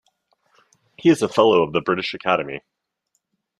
He is a Fellow of the British Academy.